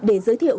để giới thiệu